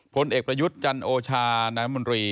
ผลเอกประยุทธ์จันโอชานายมนตรี